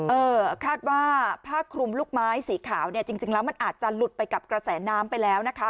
เออคาดว่าผ้าคลุมลูกไม้สีขาวเนี่ยจริงแล้วมันอาจจะหลุดไปกับกระแสน้ำไปแล้วนะคะ